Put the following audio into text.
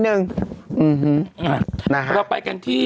มันใช้๒๐บาทแอบขึ้นน่ะ